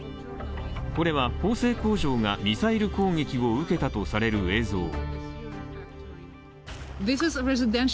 これは、縫製工場がミサイル攻撃を受けたとされる映像。